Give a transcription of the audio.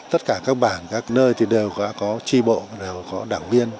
tất cả các bản các nơi thì đều đã có tri bộ đều có đảng viên